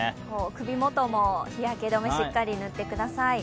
首もとも日焼け止め、しっかり塗ってください。